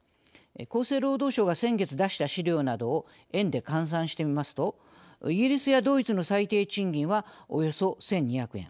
厚生労働省が先月出した資料などを円で換算してみますとイギリスやドイツの最低賃金はおよそ１２００円